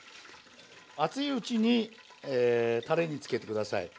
熱いうちにたれにつけて下さい。